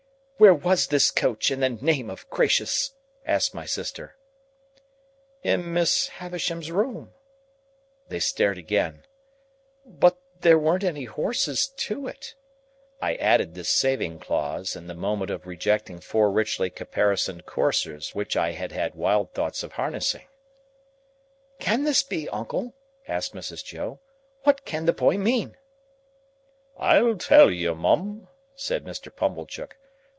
"Where was this coach, in the name of gracious?" asked my sister. "In Miss Havisham's room." They stared again. "But there weren't any horses to it." I added this saving clause, in the moment of rejecting four richly caparisoned coursers which I had had wild thoughts of harnessing. "Can this be possible, uncle?" asked Mrs. Joe. "What can the boy mean?" "I'll tell you, Mum," said Mr. Pumblechook.